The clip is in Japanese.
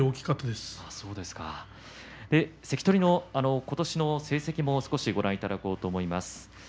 関取の今年の成績も少しご覧いただこうと思います。